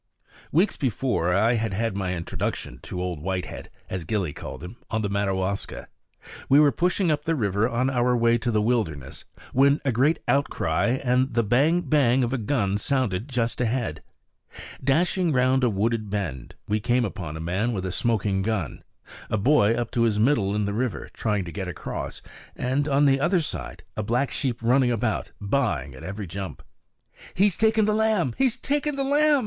Weeks before, I had had my introduction to Old Whitehead, as Gillie called him, on the Madawaska. We were pushing up river on our way to the wilderness, when a great outcry and the bang bang of a gun sounded just ahead. Dashing round a wooded bend, we came upon a man with a smoking gun, a boy up to his middle in the river, trying to get across, and, on the other side, a black sheep running about baaing at every jump. "He's taken the lamb; he's taken the lamb!"